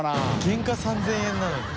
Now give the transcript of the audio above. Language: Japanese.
原価３０００円なのに。